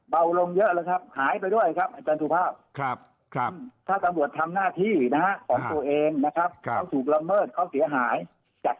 เบาลงเยอะหรือครับหายไปด้วยครับอาจารย์ทูภาพ